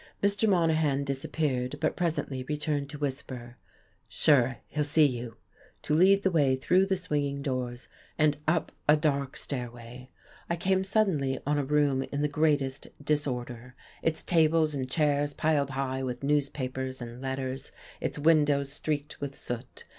Mr. Monahan disappeared, but presently returned to whisper: "Sure, he'll see you," to lead the way through the swinging doors and up a dark stairway. I came suddenly on a room in the greatest disorder, its tables and chairs piled high with newspapers and letters, its windows streaked with soot.